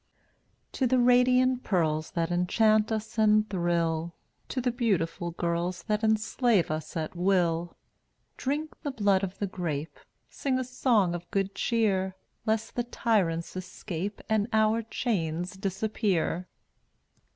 1 84 To the radiant pearls That enchant us and thrill — To the beautiful girls That enslave us at will, Drink the blood of the grape, Sing a song of good cheer, Lest the tyrants escape And our chains disappear!